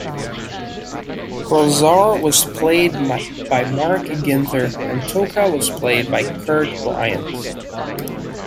Rahzar was played by Mark Ginther and Tokka was played by Kurt Bryant.